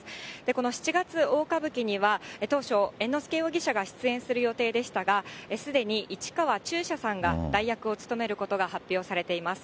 この七月大歌舞伎には、当初、猿之助容疑者が出演する予定でしたが、すでに市川中車さんが代役を勤めることが発表されています。